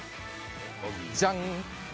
じゃーん！